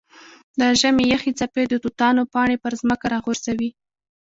د ژمي یخې څپې د توتانو پاڼې پر ځمکه راغورځوي.